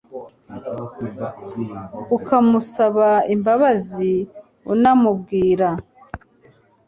ukamusaba imbabazi unamubwira